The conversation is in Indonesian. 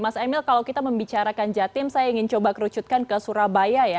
mas emil kalau kita membicarakan jatim saya ingin coba kerucutkan ke surabaya ya